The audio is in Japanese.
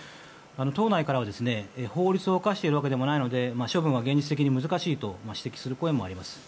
党内からは、法律を犯しているわけでもないので処分は現実的に難しいと指摘する声もあります。